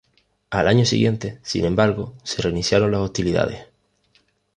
Al año siguiente, sin embargo, se reiniciaron las hostilidades.